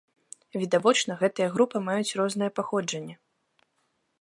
Відавочна, гэтыя групы маюць рознае паходжанне.